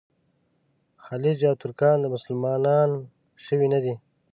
خلج او ترکان مسلمانان شوي نه دي.